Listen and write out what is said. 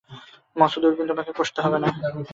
মস্ত দূরবীন তোমাকে কষতে হবে না।